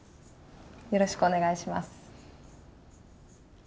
よろしくお願いします